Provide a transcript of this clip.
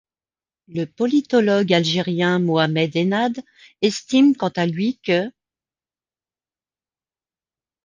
Le politologue algérien Mohamed Hennad estime quant à lui qu'.